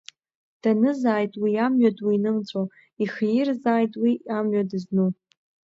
Данызааит уи амҩа ду инымҵәо, ихирзааит уи амҩа дызну!